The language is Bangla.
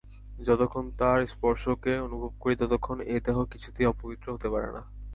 যতক্ষণ তাঁর স্পর্শকে অনুভব করি ততক্ষণ এ দেহ কিছুতেই অপবিত্র হতে পারে না।